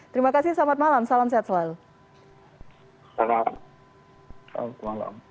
terima kasih selamat malam salam sehat selalu